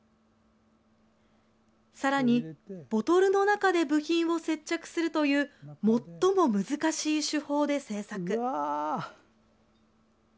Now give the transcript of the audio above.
さらに、ボトルの中で部品を接着するという最も難しい手法で制作。